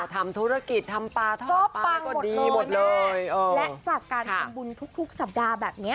อ๋อทำธุรกิจทำปลาทอดปลาก็ดีหมดเลยแม่โอ้และจากการทำบุญทุกทุกสัปดาห์แบบเนี้ย